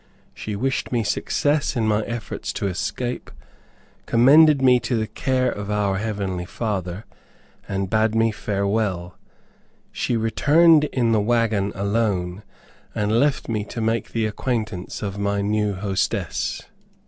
She wished me success in my efforts to escape, commended me to the care of our heavenly Father, and bade me farewell. She returned in the wagon alone, and left me to make the acquaintance of my new hostess.